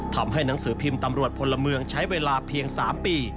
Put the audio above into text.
หนังสือพิมพ์ตำรวจพลเมืองใช้เวลาเพียง๓ปี